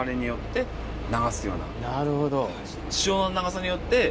なるほど。